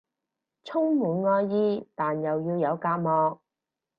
充滿愛意但又要有隔膜